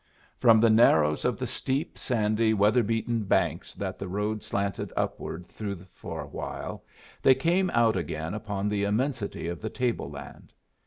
From the narrows of the steep, sandy, weather beaten banks that the road slanted upward through for a while, they came out again upon the immensity of the table land.